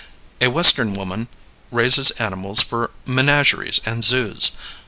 A Western woman raises animals for menageries and zoos.